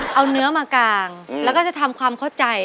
เอาเนื้อมากางแล้วก็จะทำความเข้าใจ